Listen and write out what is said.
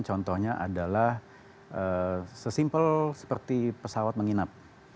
contohnya adalah sesimpel seperti pesawat menginap